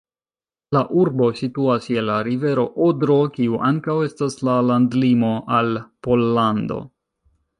La urbo situas je la rivero Odro, kiu ankaŭ estas la landlimo al Pollando.